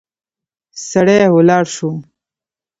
سړی ولاړ شو.